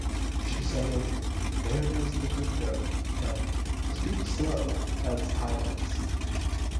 She cited "Where Does the Good Go" and "Speak Slow" as highlights.